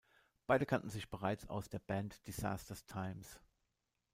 Beide kannten sich bereits aus der Band Disaster’s Times.